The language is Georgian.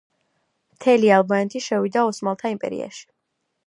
მთელი ალბანეთი შევიდა ოსმალთა იმპერიაში.